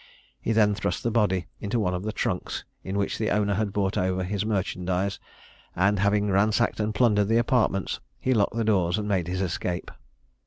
He then thrust the body into one of the trunks in which the owner had brought over his merchandise, and having ransacked and plundered the apartments, he locked the doors and made his escape.